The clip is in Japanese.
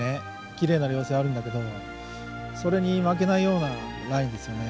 きれいな稜線あるんだけどそれに負けないようなラインですよね。